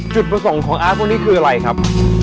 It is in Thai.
จุดประสงค์ของอาร์ตพวกนี้คืออะไรครับ